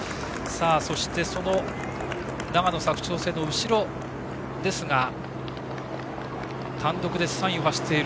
そして長野・佐久長聖の後ろですが単独で３位を走っている